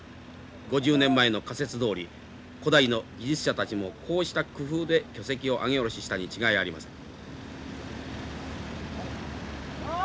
５０年前の仮説どおり古代の技術者たちもこうした工夫で巨石を上げ下ろししたに違いありません。